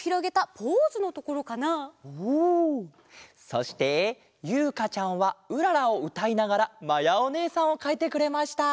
そしてゆうかちゃんは「うらら」をうたいながらまやおねえさんをかいてくれました。